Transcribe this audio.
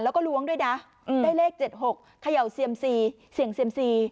แล้วก็ล้วงด้วยนะอืมได้เลขเจ็ดหกขยัวเซียมสี่เสี่ยงเซียมสี่